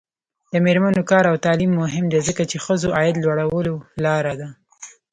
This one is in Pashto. د میرمنو کار او تعلیم مهم دی ځکه چې ښځو عاید لوړولو لاره ده.